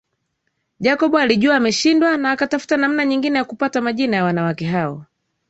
Jacob alijua ameshindwa na akatafuta namna nyingine ya kupata majina ya wanawake hao